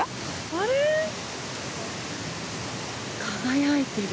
あれ？輝いてる。